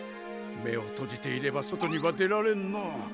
目を閉じていれば外には出られんのう。